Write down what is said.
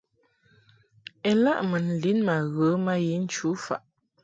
Ilaʼ mun lin ma ghə ma yi nchu faʼ.